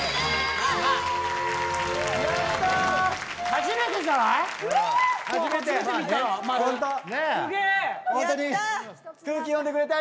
初めてじゃない⁉初めて。